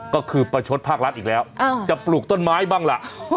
ก็คือประชดภาครัฐอีกแล้วจะปลูกต้นไม้บ้างล่ะ